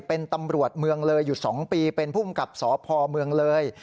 เป็นตำรวจเมืองเลยอยู่๒ปีเป็นภูมิกับสพเมืองเลย